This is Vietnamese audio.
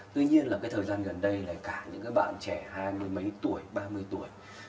tuy nhiên là cái thời gian gần đây là cả những cái bạn trẻ hai mươi mấy tuổi ba mươi tuổi